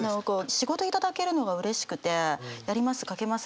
仕事頂けるのがうれしくてやります書けます